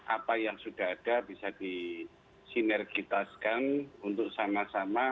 apa yang sudah ada bisa disinergitaskan untuk sama sama